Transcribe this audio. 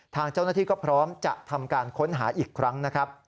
ทางเจ้าหน้าที่ก็พร้อมจะทำการค้นหาอีกครั้งนะครับ